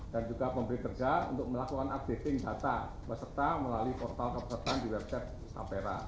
dan juga pemberi kerja untuk melakukan updating data peserta melalui portal kepesertaan di website tapera